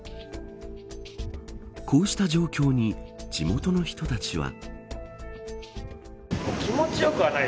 こうした状況に地元の人たちは。